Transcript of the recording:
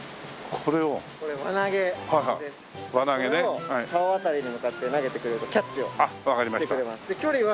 これを顔辺りに向かって投げてくれるとキャッチをしてくれます。